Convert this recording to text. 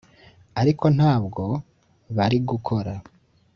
ariko ntabyo bari gukora